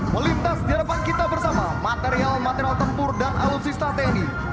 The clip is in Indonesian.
melintas di depan kita bersama material material tempur dan alutsi strategi